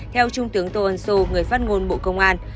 theo trung tướng tô ân sô người phát ngôn bộ công an